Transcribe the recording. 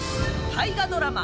大河ドラマ